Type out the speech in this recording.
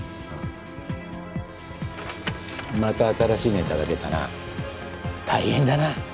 また新しいネタが出たな大変だな。